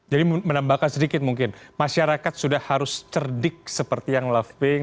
jadi menambahkan sedikit mungkin masyarakat sudah harus cerdik seperti yang lahping